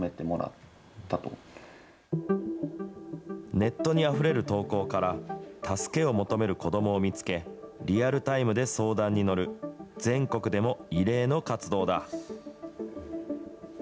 ネットにあふれる投稿から、助けを求める子どもを見つけ、リアルタイムで相談に乗る全国でも異例の活動だ。